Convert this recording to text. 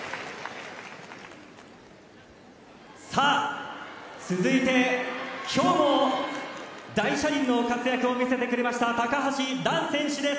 さあ、続いて今日も大車輪の活躍を見せてくれました高橋藍選手です。